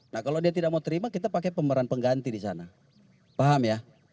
nah kalau dia tidak mau terima kita pakai pemeran pengganti di sana paham ya